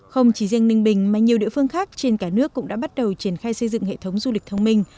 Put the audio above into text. không chỉ riêng ninh bình mà nhiều địa phương khác trên cả nước cũng đã bắt đầu triển khai xây dựng hệ thống du lịch thông minh